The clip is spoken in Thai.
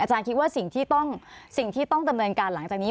คิดว่าสิ่งที่ต้องดำเนินการหลังจากนี้